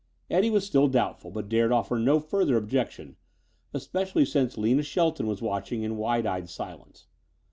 Eddie was still doubtful but dared offer no further objection, especially since Lina Shelton was watching in wide eyed silence.